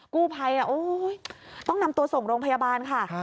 กู้ภัยต้องนำตัวส่งโรงพยาบาลค่ะ